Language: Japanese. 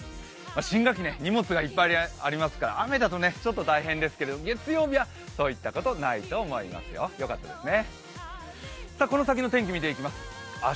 新学期、荷物がいっぱいありますから、雨だとちょっと大変ですけれども月曜日はそういったことないと思いますよ、よかったですね